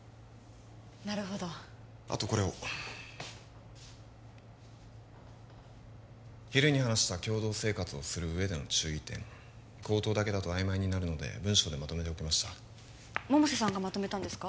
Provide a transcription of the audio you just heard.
なるほどあとこれを昼に話した共同生活をする上での注意点口頭だけだと曖昧になるので文章でまとめておきました百瀬さんがまとめたんですか？